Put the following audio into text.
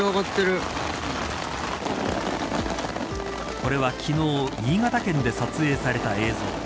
これは昨日新潟県で撮影された映像。